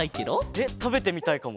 えったべてみたいかも。